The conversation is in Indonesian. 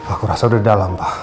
aku rasa udah dalam pak